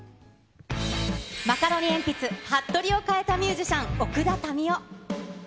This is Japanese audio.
マカロニえんぴつ・はっとりを変えた、ミュージシャン、奥田民生。